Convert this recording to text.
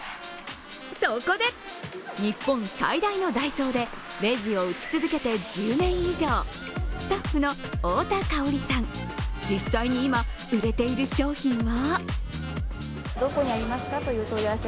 そこで、日本最大のダイソーでレジを打ち続けて１０年以上、スタッフの太田香織さん、実際に今売れている商品は？